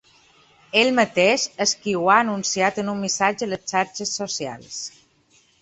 Ell mateix és qui ho ha anunciat en un missatge a les xarxes socials.